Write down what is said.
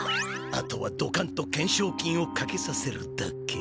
あとはドカンと懸賞金をかけさせるだけ。